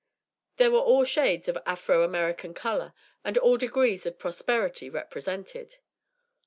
There were all shades of Afro American colour and all degrees of prosperity represented.